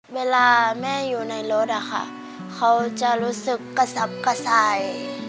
เวลาแม่อยู่ในรถอะค่ะเขาจะรู้สึกกระสับกระสาย